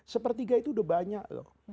sepertiga itu udah banyak loh